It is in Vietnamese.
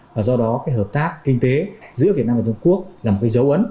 và do đó hợp tác kinh tế giữa việt nam và trung quốc là một dấu ấn